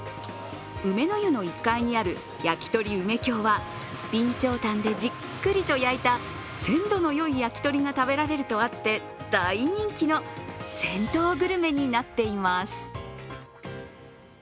梅の湯の１階にある焼鳥梅京は、備長炭でじっくりと焼いた鮮度がいい焼き鳥が食べられるとあって大人気の銭湯グルメになっています。